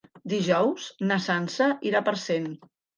Dijous na Sança irà a Parcent.